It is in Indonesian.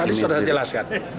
tadi sudah dijelaskan